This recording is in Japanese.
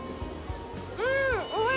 うん！